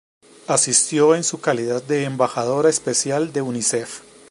Asistió en su calidad de embajadora especial de Unicef.